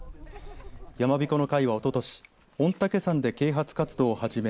山びこの会はおととし御嶽山で啓発活動を始め